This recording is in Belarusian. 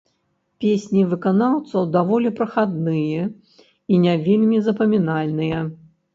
Песні выканаўцаў даволі прахадныя і не вельмі запамінальныя.